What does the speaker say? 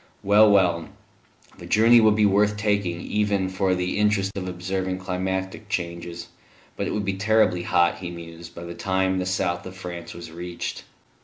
Well, well; the journey would be worth taking even for the interest of observing climatic changes; but it would be terribly hot, he mused, by the time the south of France was reached.